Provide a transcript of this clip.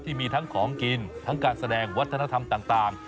ที่มีทั้งของกินทั้งการแสดงวัฒนธรรมต่าง